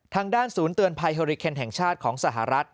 ทางด้านศูนย์เตือนภัยเฮอริเคนแห่งชาติของสหรัฐ